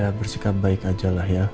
ya bersikap baik aja lah ya